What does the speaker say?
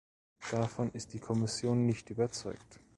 Davon ist die Kommission nicht überzeugt.